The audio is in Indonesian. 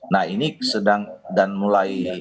nah ini sedang dan mulai